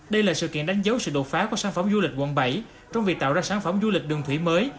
đây là sự kiện đánh dấu sự đột phá của sản phẩm du lịch quận bảy trong việc tạo ra sản phẩm du lịch đường thủy mới